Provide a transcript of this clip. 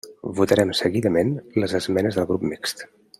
Votarem seguidament les esmenes del Grup Mixt.